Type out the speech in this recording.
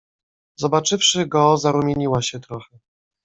"Zobaczywszy go zarumieniła się trochę."